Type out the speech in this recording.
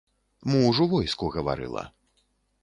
Муж у войску, гаварыла.